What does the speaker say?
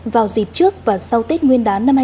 vào dịp trước và sau tết nguyên đán